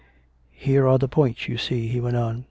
" Here are the points, you s'ee ..." he went on.